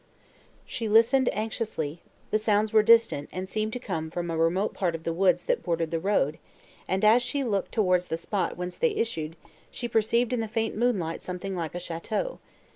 She listened anxiously; the sounds were distant, and seemed to come from a remote part of the woods that bordered the road; and, as she looked towards the spot whence they issued, she perceived in the faint moonlight something like a château.